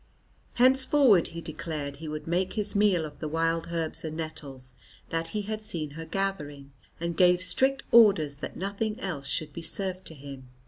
Henceforward he declared he would make his meal of the wild herbs and nettles that he had seen her gathering, and gave strict orders that nothing else should be served to him.